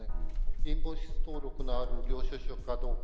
インボイス登録のある領収書かどうか